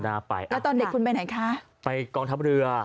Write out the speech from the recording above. ด้วยตอนเด็กคุณไปไหนคะ